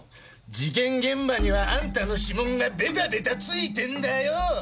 事件現場にはあんたの指紋がベタベタついてんだよ！